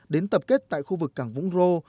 đến tập kết tại khu vực cảng vũng rô